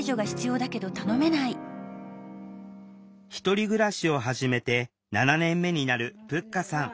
１人暮らしを始めて７年目になるぷっかさん